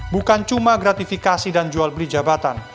bukan cuma gratifikasi dan jual beli jabatan